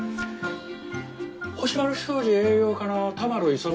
星丸商事営業課の田丸勇です。